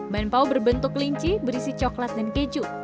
banpau berbentuk kelinci berisi coklat dan keju